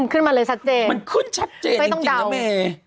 ขึ้นมาเลยชัดเจนไม่ต้องเดามันขึ้นชัดเจนจริงนะแม่